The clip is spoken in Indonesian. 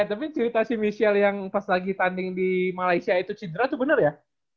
eh tapi cerita michelle yang pas lagi tanding di malaysia itu cedera tuh bener ya